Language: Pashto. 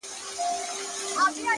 سترگي دي پټي كړه ويدېږمه زه”